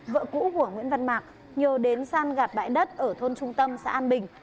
vợ cũ của nguyễn văn mạc nhờ đến san gạt bãi đất ở thôn trung tâm xã an bình